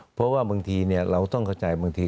เพราะว่าบางทีเราต้องเข้าใจบางที